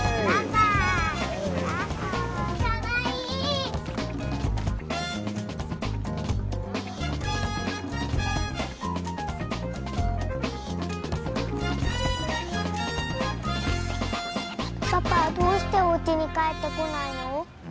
パパはどうしてお家に帰ってこないの？